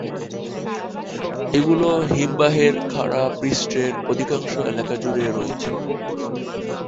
এগুলো হিমবাহের খাড়া পৃষ্ঠের অধিকাংশ এলাকা জুড়ে রয়েছে।